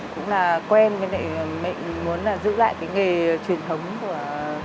cũng là quen với mệnh muốn giữ lại cái nghề truyền thống của